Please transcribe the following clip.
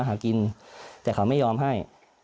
อ๋อหูาบ่อยครับ